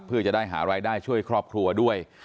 เพื่อจะได้หารายได้ช่วยครอบครัวด้วย